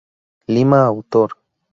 Lima: autor.